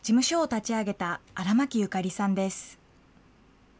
事務所を立ち上げた荒巻友佳里さんです。